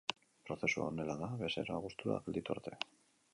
Prozesua honela da bezeroa gustura gelditu arte.